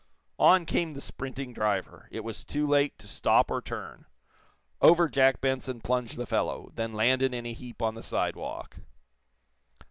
On came the sprinting driver. It was too late to stop or turn. Over Jack Benson plunged the fellow, then landed in a heap on the sidewalk.